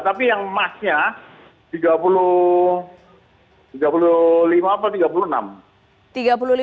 tapi yang emasnya tiga puluh lima atau tiga puluh enam